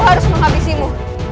aku harus mengambisimu